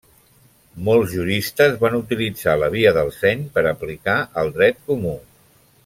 Molts juristes van utilitzar la via del seny per aplicar el dret comú.